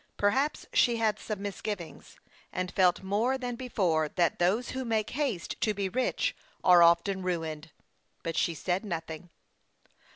Perhaps she had some misgivings, and felt more than before that those who make haste to be rich are often ruined ; but she said nothing.